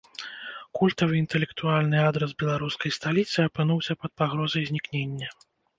Культавы інтэлектуальны адрас беларускай сталіцы апынуўся пад пагрозай знікнення.